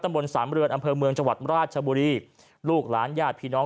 บนสามเรือนอำเภอเมืองจังหวัดราชบุรีลูกหลานญาติพี่น้อง